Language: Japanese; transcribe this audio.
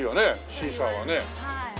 シーサーはね。